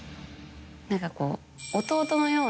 何かこう。